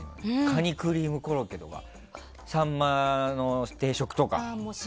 カニクリームコロッケとかサンマの定食とか。